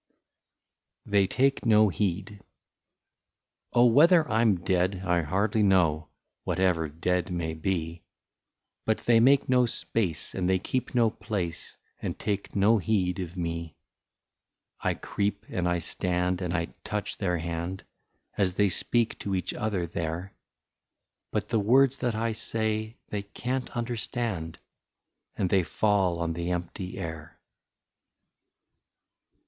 47 THEY TAKE NO HEED. " Oh ! whether I to dead I hardly know — Whatever dead may be — But they make no space, and they keep no place, And take no heed of me. '' I creep and I stand, and I touch their hand, As they speak to each other there ; But the words that I say, they can't understand, And they fall on the empty air."